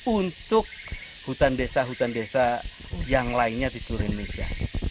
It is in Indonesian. untuk hutan desa hutan desa yang lainnya di seluruh indonesia